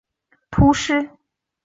达讷和四风人口变化图示